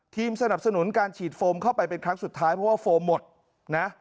สนับสนุนการฉีดโฟมเข้าไปเป็นครั้งสุดท้ายเพราะว่าโฟมหมดนะ